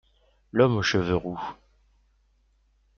L’homme aux cheveux roux.